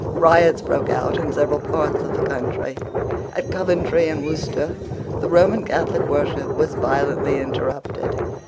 Riots broke out in several parts of the country. At Coventry and Worcester the Roman Catholic worship was violently interrupted.